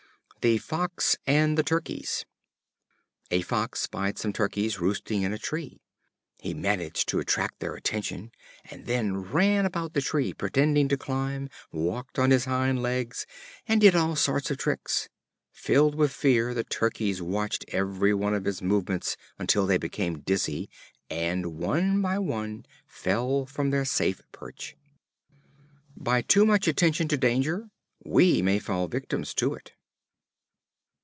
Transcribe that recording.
The Fox and the Turkeys. A Fox spied some turkeys roosting in a tree. He managed to attract their attention and then ran about the tree, pretended to climb, walked on his hind legs, and did all sorts of tricks. Filled with fear, the Turkeys watched every one of his movements until they became dizzy, and, one by one, fell from their safe perch. By too much attention to danger, we may fall victims to it.